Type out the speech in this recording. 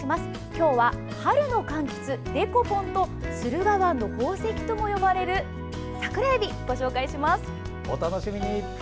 今日は春のかんきつデコポンと駿河湾の宝石とも呼ばれる桜えび、ご紹介します。